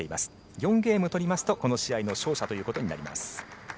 ４ゲーム取りますとこの試合の勝者となります。